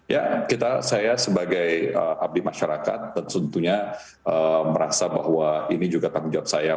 ya saya sebagai abdi masyarakat tentunya merasa bahwa ini juga tanggung jawab saya